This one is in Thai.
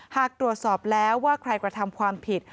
หากตรวจสอบแล้วว่าใครกระทำความผิด